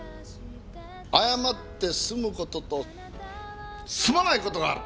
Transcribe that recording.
謝って済む事と済まない事がある！